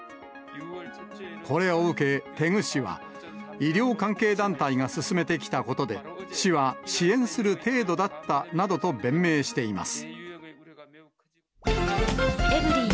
これを受け、テグ市は、医療関係団体が進めてきたことで、市は支援する程度だったなどと弁明しています。